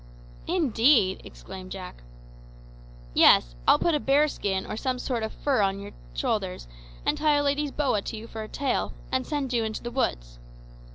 "Indeed!" exclaimed Jack. "Yes; I'll put a bear skin or some sort of fur on your shoulders, and tie a lady's boa to you for a tail, and send you into the woods.